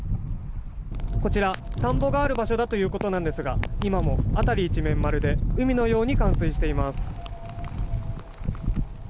こちら、田んぼがある場所だということですが今も辺り一面、まるで海のように冠水しています。